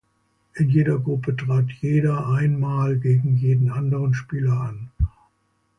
In jeder Gruppe trat jeder einmal gegen jeden anderen Spieler an.